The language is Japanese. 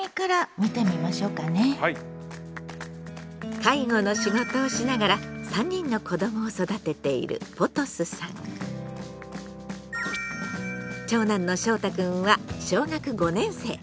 介護の仕事をしながら３人の子どもを育てている長男のしょうたくんは小学５年生。